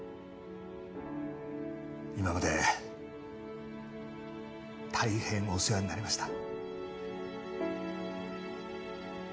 今まで大変お世話になりました。